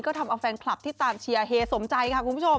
ก็ทำเอาแฟนคลับที่ตามเชียร์เฮสมใจค่ะคุณผู้ชม